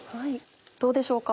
どうでしょうか？